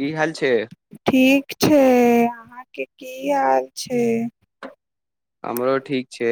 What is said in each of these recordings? की हाल छै ठीक छै के की हाल छै हमरो ठीक छै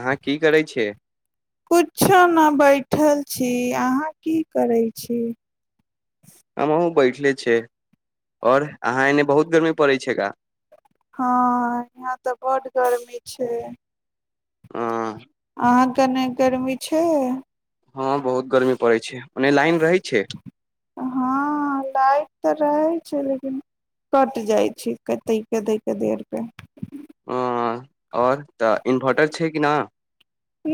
अहाँ की करय छियै किछो नहि बैठल छी अहाँ की करैत छी हमहुँ बैठले छै और अहाँ एने बहुत गर्मी पड़े छै पछि का हँ यहाँ तऽ बड गर्मी छै ह अहाँ कने गर्मी छै हँ बहुत गर्मी पड़ैत छै ओने लाइन रहैत छै हँ लाइट तऽ रहैत छै लेकिन कटि जाइत छै कतहि क दैके देरकेे आओर तऽ इन्भर्टर छै कि नहि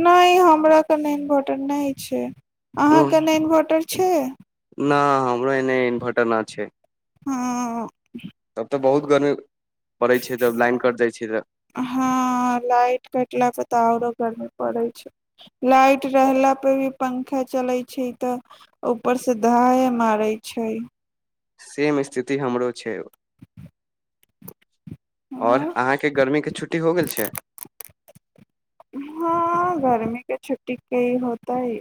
नहि हमरा कनि इन्वर्टर नहि छै अहाँके ने इन्वर्टर छै ना हमरो एने इन्भर्टर ना छै ह तब तऽ बहुत गर्मी पड़ै छै जब लाइन कट जाइ छै तऽ ह लाइट कटला पर तऽ आरो गर्मी पड़ै छै लाइट रहला रहला पे भी पंखा चलै छै तऽ ऊपर से ढाहे मारे छै सेम स्थिति हमरो छै और हँ अहाँके गर्मी के छुट्टी हो गेल छै हँ गर्मी के छुट्टी की होत तय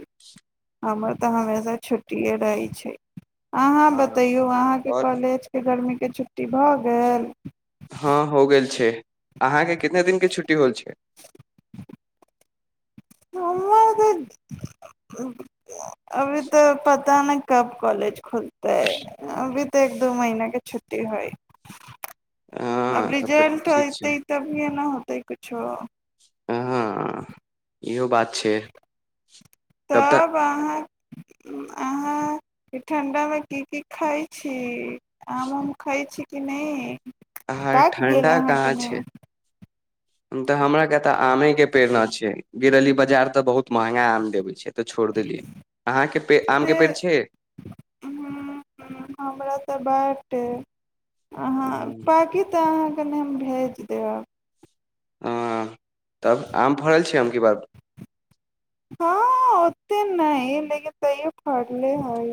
हमर तऽ हमेशा छुट्टिए रहै छै अहाँ हँ। बतैयो अहाँके और कॉलेज के गर्मी के छुट्टी भऽ गेल हँ हो गेल छै अहाँके कितने दिनके छुट्टी होल छै हमर तऽ अभी तऽ प पता ने कब कॉलेज खोल तै अभी तऽ एक दू महिना के छुट्टी हइ अब हँ तब तऽ रिजल्ट ठीक छै ते तभीये न होत हेतै कुछो हँ इहो बात छै तब तऽ अहाँ ई ठंडा मे की की खाय छी आम उम खाइ छी कि नहि अहाँक पाक गेल ठण्ढा अहाँके कहाँ ने छै तऽ हमरा के तऽ आमे के पेड़ न छै गेल रहि बाजार तऽ बहुत महंगा आम देबे छै तऽ छोड़ देली अहाँक आम के से पेड़ छै ते अहाँ पाकी तऽ अहाँ कनि हम भेज देब हँ तब आम फड़ल छियै अब की बार हँ ओते नहि लेकिन तैयो फड़ले हइ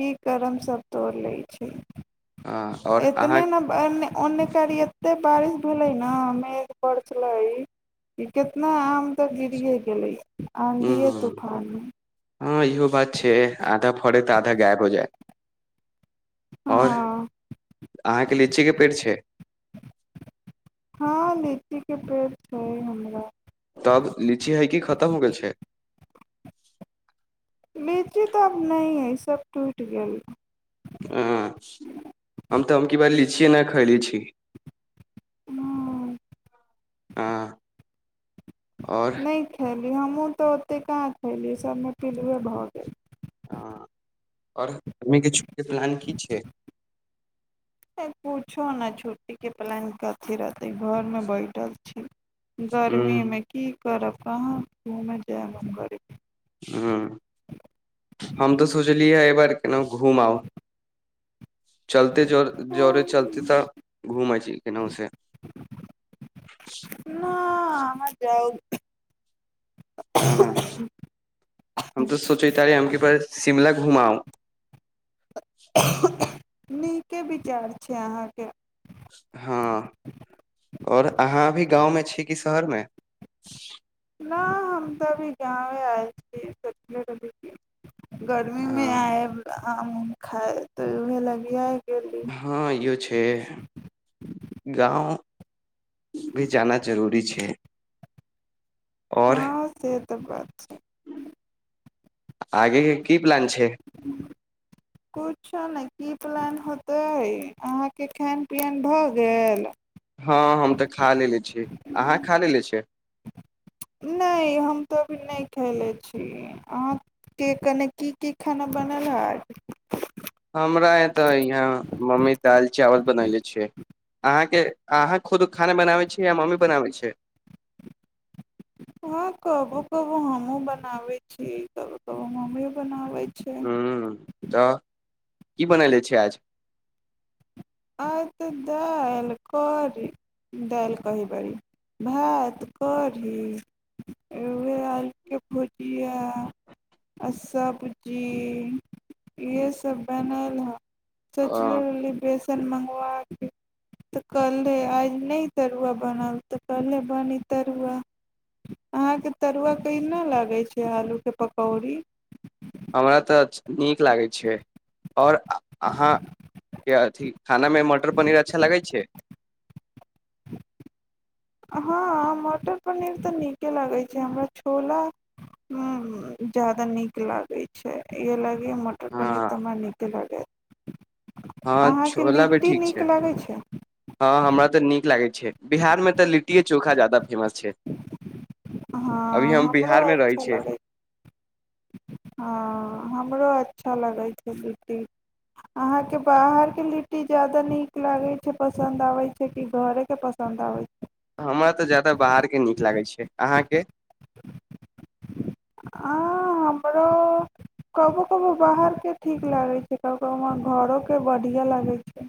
की करमसभ तोड़ि लै छै आओर अहाँ इतने न एने ओने काल्हि एते बारिश भेलै ने मेघ पड़ छललै कि कितना आम तऽ गिरे गेलै आंधिये हूँ तूफानमे हँ इहो बात छै आधा फड़े तऽ आधा गायब हो जाय आओर हँ अहाँके लीचीके पेड़ छै लीचीके पेड़ छै हमरा तब लीची हाइकी खतम हो गेल छै लीची तऽ आब नहि हइसभ टुटि गेल हँ हम तऽ हम की बार लीचिए नहि खयली छी हं आओर नहि ख लेकिन हमहूँ तऽ ओतेक कहां खयली सभमे पिलुए भऽ गेल हँ आओर मीके छुट्टीके प्लान की छै कुछो ने छुट्टी के प्लान कथी रहते घरमे बैठल छी हूं गर्मीमे की करब कहाँ घूम जय म गरी हुं हम तऽ सोचलियै हं ए बार केनो घुम आउ चलते जोर जोरे चलते हम्म, तऽ घूम आ केनाहु से हँ अहां जाउ हँ हम तऽ सोचे ह तारे हमके पास शिमला घुमाउं [unintelligible] नीके विचार छै अहाँके हँ आओर अहाँ अभी गाँवमे छी कि शहरमे न हम तऽ अभी गांव आएल छी सोचने रही की गर्मीमे हँ आयब आम उम खाए तो इहे लगि आये गे हँ इहो छै गाँव भी जाना जरूरी छै आओर त बात छै आगे की प्लान छै अच्छा ने की प्लान होतै अहाँके खायन पियन भऽ गेल हँ हम तऽ खा लेलेे छी अहाँ खा लेले छियै नहि हम तऽ अभी नहि खयले छी अहाँके कने की की खाना बनल हैत हमरा य तऽ यहाँ मम्मी दालि चावल बनयनेे छिय अहाँके अहाँ खुद खाना बनाबै छिय या मम्मी बनाबै छै हँ कबो कबो हमहुँ बनाबै छी कबो कबो मम्मीयो बनाबै छै हूं तऽ की बनैले छै आज आज तऽ दालि कढ़ी दालि कही बड़ी भात कढ़ी उह आलके भुजिया आ सब्जी इएहसभ बनल हँ सोचले हँ रहली बेस सन मंगबाके तऽ कहलहे आइ नहि तरुआ बनल तऽ कहले बनी तरुआ अहाँके तरुआ कहिना लागै छै आलूके पकौड़ी हमरा तऽ नीक लागै छै आओर अहाँके अथी खानामे मटर पनीर अच्छा लागै छै हँ मटर पनीर तऽ नीके लागे छै हमरा छोला ज्यादा नीक लागे छै इहे ले मटर पनीर तऽ हँ हमरा नीके लगै हँ छोला भी ठीक नीक छै लागै छै हँ हमरा तऽ नीक लागे बिहारमे तऽ लिट्टीए चोखा ज्यादा फेमस छै हँ अभी हम हमरो बिहारमे रहै अच्छा छियै लगे हँ हमरो अच्छा लग लगे छै लिट्टी अहाँके बाहरके लिट्टी ज्यादा नीक लागै छै पसन्द आबै छै कि घरे के पसन्द आबै छै हमरा तऽ ज्यादा बाहरके नीक लागै छै अहाँके आँ हमरो कबो कबो बाहरके ठीक लागै छै कभी कभो हमरा घरोके बढ़िआँ लागै छै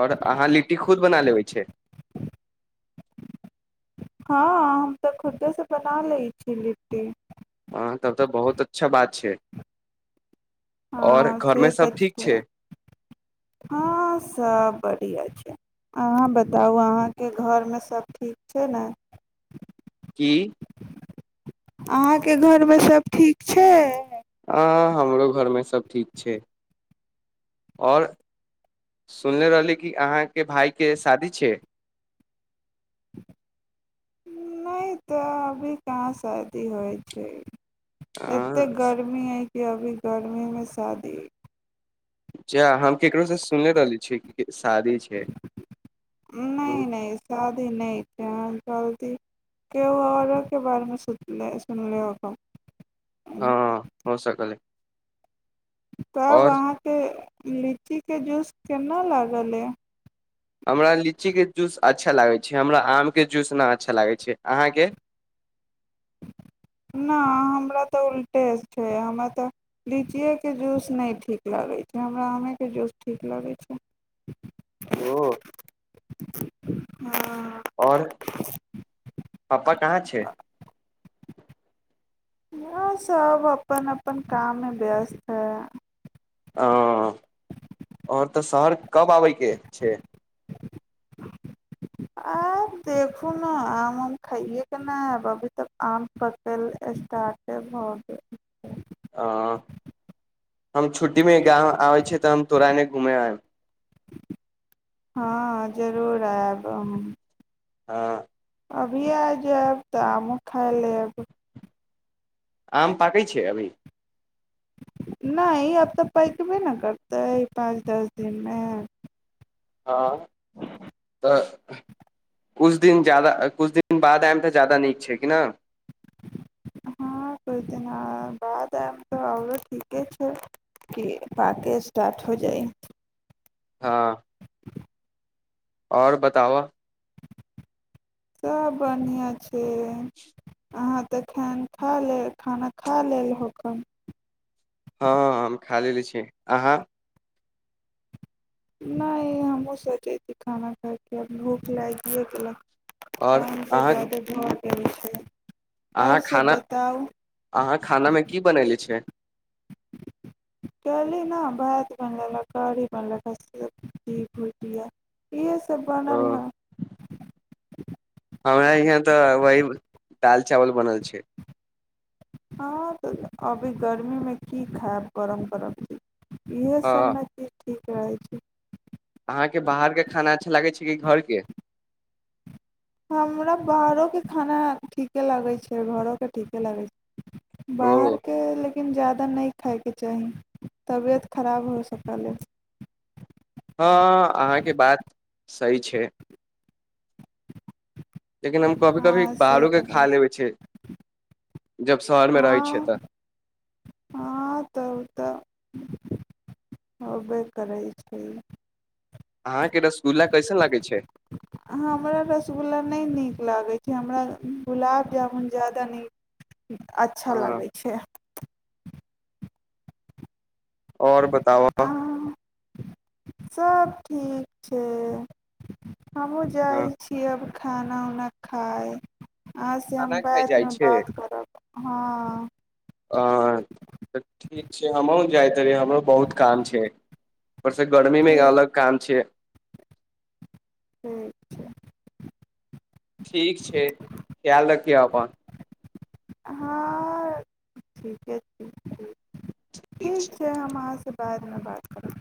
आओर अहाँ लिट्टी खुद बना लेबै छै हँ हम तऽ खुद्देसँ बना लैत छी लिट्टी हँ तब तऽ बहुत अच्छा बात छै आओर हँ से घरमे तऽ सब ठीक छै हँ सब बढ़िआ छै अहाँ बताउ अहाँके घरमे सभ ठीक छै ने की अहाँके घरमे सभ ठीक छै हँ हमरो घरमे सभ ठीक छै आओर सुनले रहली कि अहाँके भायके शादी छै नहि तऽ अभी कहाँ शादी होइ छै एते हँ गर्मी हइ कि अभी गर्मीमे शादी जा हम केकरो से सुनले रहली छी कि शादी छै नहि नहि शादी नहि छै जल्दी केओ अओरो के बारेमे सुनले होखब हँ हो सकल तब और अहाँकेे लीचीके जूस केना लागल यै हमरा लीचीके जूस अच्छा लागै छै हमरा आमके जूस ना अच्छा लागै छै अहाँके नहि हमरा तऽ उल्टे छै हमरा तऽ लीचिएके जूस नहि ठीक लगै छै हमरा आमेके जूस ठीक लगै छै ओ [unintelligible] आओर पापा कहाँ छै यए सभ अपन अपन काममे व्यस्त हइ ह आओर तऽ शहर कब आबयके छै आब देखू ने आम उम खाइएके ने ऐब अभी तऽ आम पकल स्टार्टे भऽ गेल ह हम छुट्टी मे गाँव आबै छी तऽ हम तोरा एने घूमे आयब हँ जरूर आयब हम हँ अभी आइ जाएब तऽ आमो खा लेब आम पाकै छै अभी नहि आब तऽ पैकबे ने करते है पाँच दस दिनमे हँ तऽ कुछ दिन जादा कुछ दिन बाद आयम तऽ जादा नीक छै कि न हँ कुछ दिन बाद आब तऽ ओ ठीके छै कि पाक स्टार्ट हो जाइ हँ ओर बताब' सब बढ़िआ छै [unintelligible] अहाँ तऽ खा खा ले खाना खा लेलहोख हँ हम खा लेले छिय अहाँ नहि हमहूँ सोचैत छी खाना खा कऽ आब भूख लागिये गेल आओर काम त अहाँ जादे घर [unintelligible] अहाँ खाना अहाँ खानामे की बनेले छियै कहली न भात बन लेलक तरकारी बन लेलक रोटि भूजिया इहे सब तऽ बनल ओ, हँ ह हमरा यहाँ तऽ वही दाल चावल बनल छै हँ तऽ अभी गर्मीमे की खायब गरम गरम इएहे सब हँ ने चीज ठीक रहै छै अहाँके बाहरके खाना अच्छा लागै छै कि घरके हमरा बाहरोके खाना ठीके लगैत छै घरोके ठीके लगैत छै ओ बाहरके ल लेकिन जादा नहि खायके चाही तबियत खराब हो सकल अछि हँ अहाँके बात सही छै लेकिन हम कभी कभी हँ से बाहरो तऽ के बात खा लेबै छै जब शहरमे रहय छियै हँ तऽ हँ तऽ ओ तऽ होबे करै छै अहाँके रसगुल्ला कैसन लागै छै हमरा रसगुल्ला नहि नीक लागै छै हमरा गुलाब जामुन ज्यादा नीक अच्छा हँ लागै छै आओर बताब' सभ ठीक छै हमहूँ जाइ हँ छी अब खाना उना खाय अहांसे हम खाना खाइ जाइ बैदमे छै बात करब हँ हँ तऽ ठीक छै हमहुं जाइत रहिै हमरो बहुत काम छै परसे गर्मीमे ठीक अलग काम छै ठीक छै ठीक छै खयाल रखियै अपन हँ ठीके छै ठीक छै हम अहाँ से कारमे बाद कर